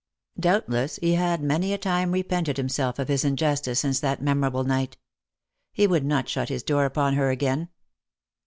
Doubtless he had many a time repented himself of his injustice since that memorable night. He would not shut his door upon her again.